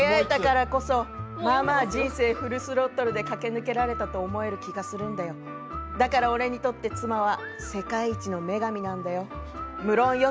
死ぬときにさあこの人と出会えたからこそまあまあ人生フルスロットルで駆け抜けられたと思える気がするんんだから僕にとって妻は世界一の女神なんだよ。